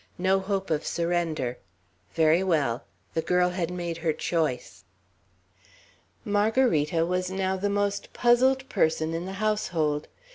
No hope of surrender. Very well. The girl had made her choice. Margarita was now the most puzzled person in the household.